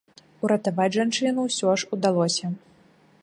Уратаваць жанчыну ўсё ж удалося.